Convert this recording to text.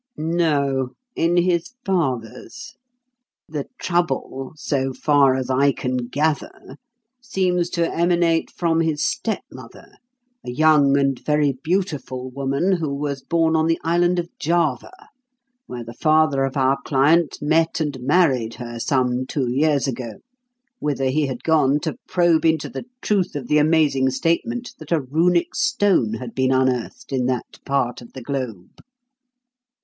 "No in his father's. The 'trouble,' so far as I can gather, seems to emanate from his stepmother, a young and very beautiful woman, who was born on the island of Java, where the father of our client met and married her some two years ago, whither he had gone to probe into the truth of the amazing statement that a runic stone had been unearthed in that part of the globe."